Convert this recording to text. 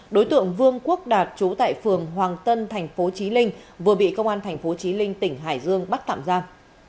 đối tượng vương quốc đạt trú tại phường hoàng tân tp chí linh vừa bị công an tp chí linh tỉnh hải dương bắt tạm giam